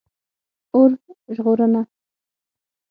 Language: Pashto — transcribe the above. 🚒 اور ژغورنه